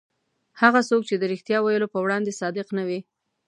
هغه څوک چې د رښتیا ویلو په وړاندې صادق نه وي.